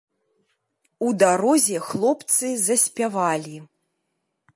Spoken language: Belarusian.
У дарозе хлопцы заспявалі.